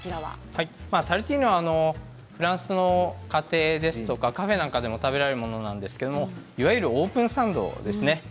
タルティーヌはフランスの家庭ですとかカフェなんかでも食べられるものなんですけどいわゆるオープンサンドです。